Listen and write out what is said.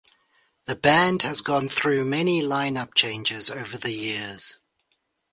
The band has gone through many line up changes over the years.